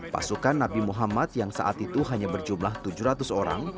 pasukan nabi muhammad yang saat itu hanya berjumlah tujuh ratus orang